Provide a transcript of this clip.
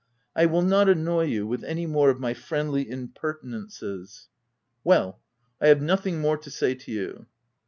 I will not annoy you with any more of my friendly impertinences/' VOL. II. P 314 THE TENANT "Well! I have nothing more to say to you."